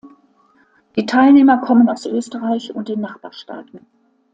Die Teilnehmer kommen aus Österreich und den Nachbarstaaten.